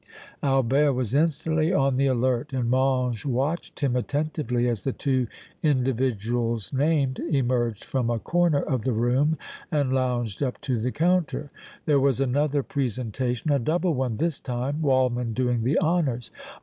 Albert was instantly on the alert and Mange watched him attentively as the two individuals named emerged from a corner of the room and lounged up to the counter. There was another presentation, a double one this time, Waldmann doing the honors.